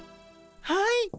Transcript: はい。